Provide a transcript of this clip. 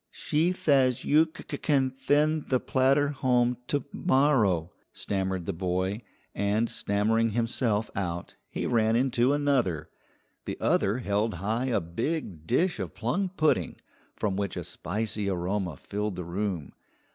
"She thays you c c can thend the platter home to morrow," stammered the boy, and stammering himself out, he ran into another. The other held high a big dish of plum pudding, from which a spicy aroma filled the room.